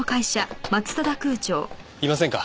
いませんか？